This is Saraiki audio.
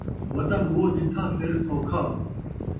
وطن اوہو جتھاں سر سوکھا